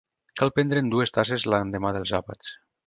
Cal prendre'n dues tasses l'endemà dels àpats.